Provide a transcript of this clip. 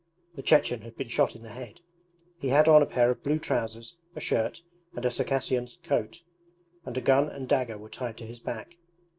The Chechen had been shot in the head. He had on a pair of blue trousers, a shirt, and a Circassian coat, and a gun and dagger were tied to his back.